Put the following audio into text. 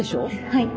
はい。